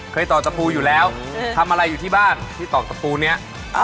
ตอกตะปูอยู่แล้วทำอะไรอยู่ที่บ้านที่ตอกตะปูนี้